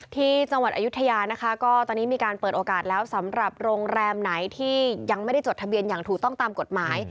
ที่จังหวัดอายุทยานะคะก็ตอนนี้มีการเปิดโอกาสแล้วสำหรับโรงแรมไหนที่ยังไม่ได้จดทะเบียนอย่างถูกต้องตามกฎหมาย